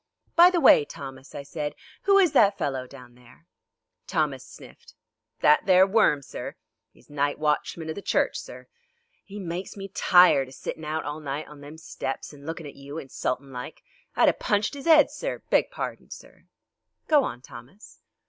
"By the way, Thomas," I said, "who is that fellow down there?" Thomas sniffed. "That there worm, sir? 'Es night watchman of the church, sir. 'E maikes me tired a sittin' out all night on them steps and lookin' at you insultin' like. I'd a punched 'is 'ed, sir beg pardon, sir " "Go on, Thomas."